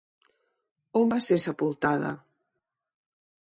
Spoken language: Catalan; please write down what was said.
On va ser sepultada?